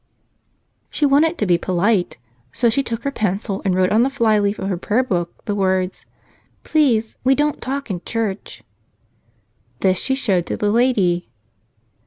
She wanted to be polite. So she took her pencil and wrote on the flyleaf of her prayerbook the words, "Please, we don't talk in church." This she showed to the lady.